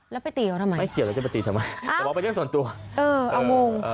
แล้วไปตีเขาทำไมไม่เกี่ยวแล้วจะไปตีทำไมอ่าแต่ว่าเป็นเรื่องส่วนตัวเออเรางง